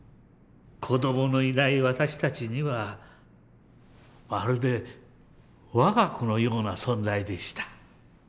子どものいない私たちにはまるで我が子のような存在でした。